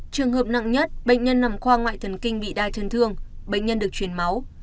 trường hợp nặng nhất bệnh nhân nằm khoa ngoại thần kinh bị đai chân thương bệnh nhân được chuyển máu